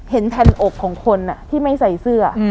แผ่นอกของคนที่ไม่ใส่เสื้อ